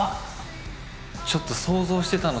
ちょっと想像してたのと違う。